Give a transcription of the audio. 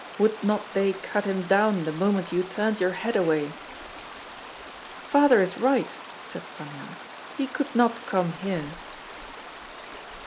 Would not they cut him down the moment you turned your head away?" "Father is right!" said Pan Yan; "he could not come here."